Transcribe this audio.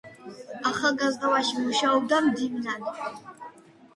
ახალგაზრდობაში მუშაობდა მდივნად.